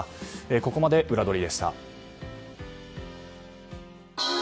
ここまでウラどりでした。